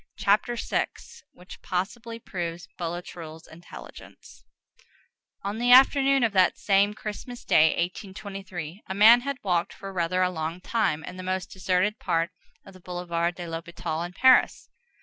CHAPTER VI—WHICH POSSIBLY PROVES BOULATRUELLE'S INTELLIGENCE On the afternoon of that same Christmas Day, 1823, a man had walked for rather a long time in the most deserted part of the Boulevard de l'Hôpital in Paris.